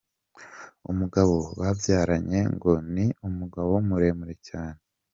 Umugabo babyaranye ngo ni umugabo muremure cyane.